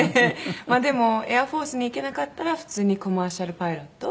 でもエアフォースに行けなかったら普通にコマーシャルパイロット。